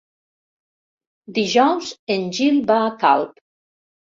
Dijous en Gil va a Calp.